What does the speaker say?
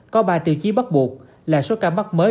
có ba tiêu chí bắt buộc là số ca mắc mới